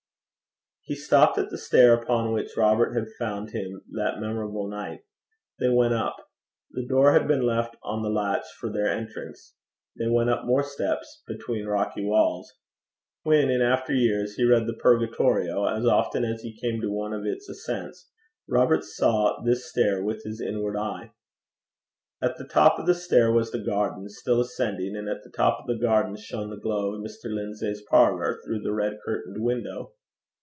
He stopped at the stair upon which Robert had found him that memorable night. They went up. The door had been left on the latch for their entrance. They went up more steps between rocky walls. When in after years he read the Purgatorio, as often as he came to one of its ascents, Robert saw this stair with his inward eye. At the top of the stair was the garden, still ascending, and at the top of the garden shone the glow of Mr. Lindsay's parlour through the red curtained window.